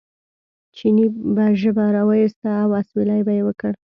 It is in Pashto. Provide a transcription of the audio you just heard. چیني به ژبه را وویسته او اسوېلی به یې وکړ.